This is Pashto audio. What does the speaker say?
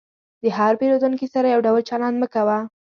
د هر پیرودونکي سره یو ډول چلند مه کوه.